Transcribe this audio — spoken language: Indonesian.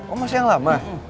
oh masih yang lama